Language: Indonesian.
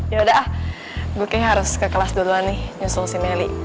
yaudah ah booking harus ke kelas duluan nih nyusul si meli